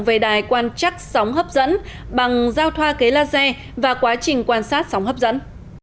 về đài quan chắc sóng hấp dẫn bằng giao thoa kế laser và quá trình quan sát sóng hấp dẫn